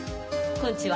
こんちは。